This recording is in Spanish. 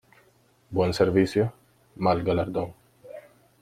Buen servicio, mal galardón.